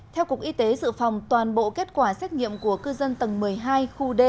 theo cục y tế dự phòng toàn bộ kết quả xét nghiệm của cư dân tầng một mươi hai khu d